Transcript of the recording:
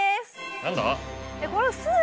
何だ？